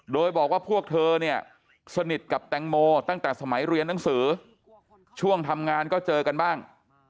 โดยบอกว่าพวกเธอเนี่ยสนิทกับแตงโมตั้งแต่สมัยเรียนหนังสือช่วงทำงานก็เจอกันบ้าง